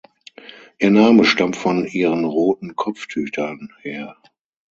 Ihr Name stammt von ihren roten Kopftüchern her.